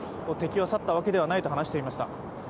敵は去ったわけではないと話していました。